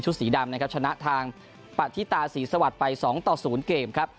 ชุดสีดำนะครับชนะทางปฏิตาศรีสวรรค์ไป๒๐เกมครับ